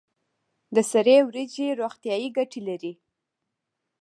د سرې وریجې روغتیایی ګټې لري.